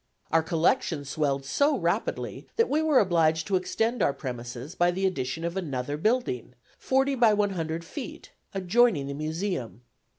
Our collection swelled so rapidly that we were obliged to extend our premises by the addition of another building, forty by one hundred feet, adjoining the Museum.